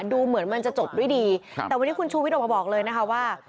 ดูเหมือนมันจะจบด้วยดีครับแต่วันนี้คุณชูวิทย์ออกมาบอกเลยนะคะว่า